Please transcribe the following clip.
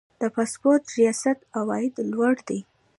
د پاسپورت ریاست عواید لوړ دي